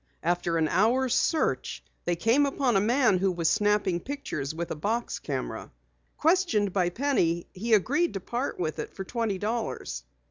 After an hour's search they came upon a man who was snapping pictures with a box camera. Questioned by Penny, he agreed to part with it for twenty dollars.